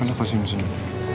kenapa sih misalnya